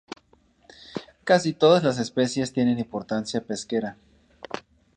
Casi todas las especies tienen importancia pesquera.